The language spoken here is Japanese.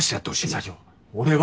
社長俺は。